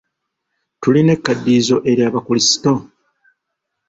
Tulina ekkaddiyizo ery'Abakrisito?